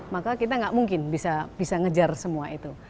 maka kita nggak mungkin bisa ngejar semua itu